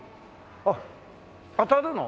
あっ当たるの？